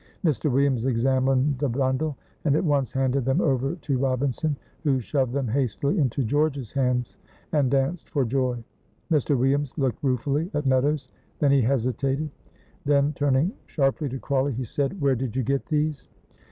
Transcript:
Mr. Williams examined the bundle, and at once handed them over to Robinson, who shoved them hastily into George's hands and danced for joy. Mr. Williams looked ruefully at Meadows, then he hesitated; then, turning sharply to Crawley, he said, "Where did you get these?"